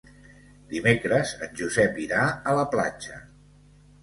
Dimecres en Josep irà a la platja.